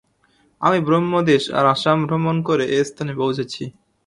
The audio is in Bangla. আমি ব্রহ্মদেশ আর আসাম ভ্রমণ করে এস্থানে পৌঁছেছি।